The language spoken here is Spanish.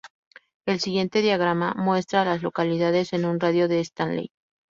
El siguiente diagrama muestra a las localidades en un radio de de Stanley.